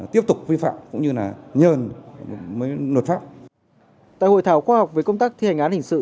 tại hội thảo khoa học về công tác thi hình án hình sự